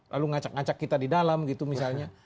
lalu ngacak ngacak kita di dalam gitu misalnya